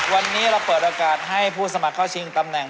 วันนี้เราเปิดโอกาสให้ผู้สมัครเข้าชิงตำแหน่ง